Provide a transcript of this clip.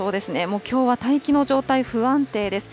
もうきょうは大気の状態、不安定です。